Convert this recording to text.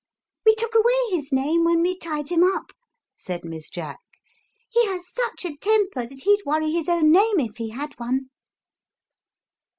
"We took away his name when we tied him up," said Miss Jack. "He has such a temper that he'd worry his own name if he had one."